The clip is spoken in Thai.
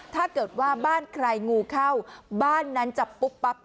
ถ้าเกิดว่าบ้านใครงูเข้าบ้านนั้นจับปุ๊บปั๊บ